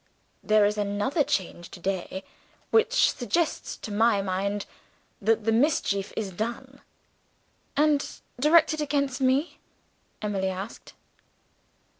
There is another change to day, which suggests to my mind that the mischief is done." "And directed against me?" Emily asked.